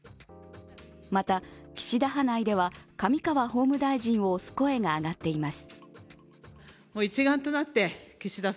また、岸田派内では上川法務大臣を推す声が上がっています。